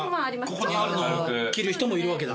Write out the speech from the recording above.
ここにあるの着る人もいるわけだ。